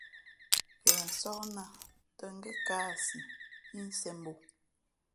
Ghen sǒh nā ǒ tᾱ ngēn kāāsǐ pí nsēn bǒ.